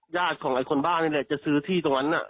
ญาติของไอ้คนบ้านนี่แหละจะซื้อที่ตรงนั้นน่ะ